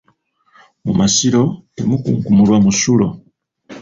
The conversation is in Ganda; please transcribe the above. Mu masiro temukunkumulwa musulo.